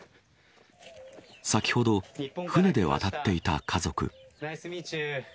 先ほど船で渡っていた家族。